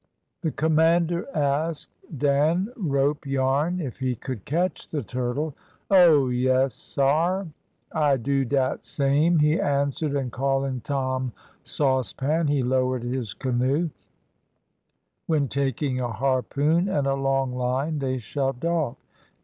"The commander asked Dan Ropeyarn if he could catch the turtle. "`Oh, yes, sare; I do dat same,' he answered, and calling Tom Saucepan he lowered his canoe, when taking a harpoon and a long line they shoved off.